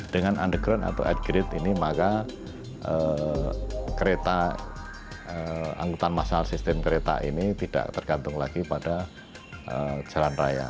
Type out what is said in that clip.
dengan underground atau adgrade ini maka kereta angkutan masal sistem kereta ini tidak tergantung lagi pada jalan raya